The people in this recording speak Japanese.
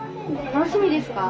楽しみです。